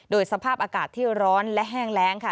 โดยสภาพอากาศที่ร้อนและแห้งแรงค่ะ